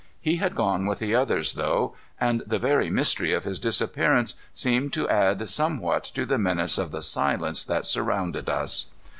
He had gone with the others, though, and the very mystery of his disappearance seemed to add somewhat to the menace of the silence that surrounded us.